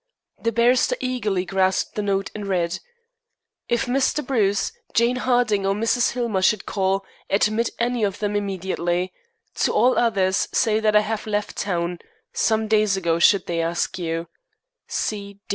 The barrister eagerly grasped the note and read: "If Mr. Bruce, Jane Harding, or Mrs. Hillmer should call, admit any of them immediately. To all others say that I have left town some days ago, should they ask you.